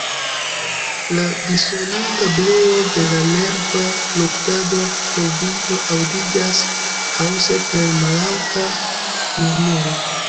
La dissonanta bruo de la nerva luktado por vivo aŭdiĝas ĥaose per mallaŭta murmuro.